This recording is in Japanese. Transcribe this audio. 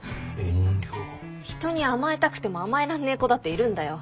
人に甘えたくても甘えらんねえ子だっているんだよ。